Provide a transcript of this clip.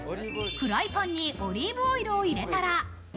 フライパンにオリーブオイルを入れたら。